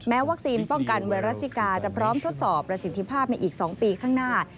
วัคซีนป้องกันไวรัสซิกาจะพร้อมทดสอบประสิทธิภาพในอีก๒ปีข้างหน้า